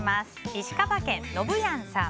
石川県の方。